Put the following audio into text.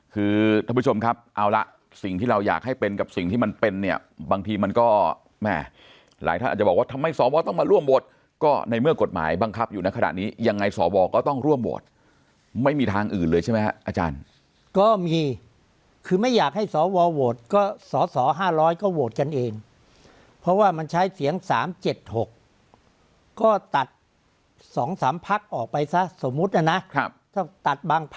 คือท่านผู้ชมครับเอาละสิ่งที่เราอยากให้เป็นกับสิ่งที่มันเป็นเนี่ยบางทีมันก็แม่หลายท่านอาจจะบอกว่าทำไมสวต้องมาร่วมโหวตก็ในเมื่อกฎหมายบังคับอยู่ในขณะนี้ยังไงสวก็ต้องร่วมโหวตไม่มีทางอื่นเลยใช่ไหมฮะอาจารย์ก็มีคือไม่อยากให้สวโหวตก็สอสอ๕๐๐ก็โหวตกันเองเพราะว่ามันใช้เสียง๓๗๖ก็ตัด๒๓พักออกไปซะสมมุตินะครับ